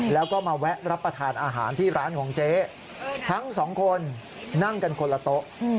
แล้วก็มาแวะรับประทานอาหารที่ร้านของเจ๊ทั้งสองคนนั่งกันคนละโต๊ะ